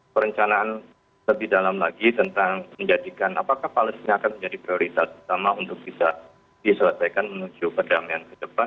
perencanaan lebih dalam lagi tentang menjadikan apakah palestina akan menjadi prioritas utama untuk bisa diselesaikan menuju perdamaian ke depan